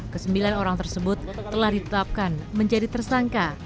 kesembilan orang tersebut telah ditetapkan menjadi tersangka